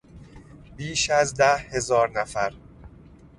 بیش از ده هزار نفر